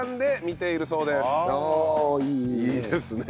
いいですね。